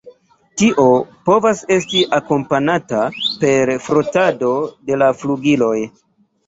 Tio povas esti akompanata per frotado de la flugiloj.